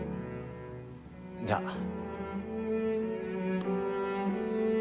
じゃあ。